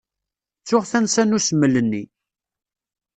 Ttuɣ tansa n usmel-nni.